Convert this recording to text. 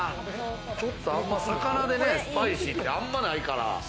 ちょっと、あんま魚でね、スパイシーって、あんまないから。